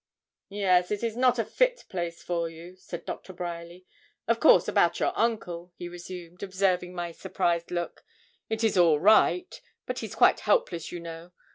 'Yes, it is not a fit place for you,' said Doctor Bryerly. 'Of course, about your uncle,' he resumed, observing my surprised look, 'it is all right: but he's quite helpless, you know.